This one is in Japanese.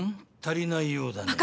足りないようだね。